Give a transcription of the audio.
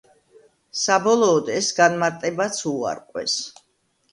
საბოლოოდ, ეს განმარტებაც უარყვეს.